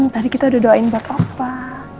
tadi kita udah doain buat apa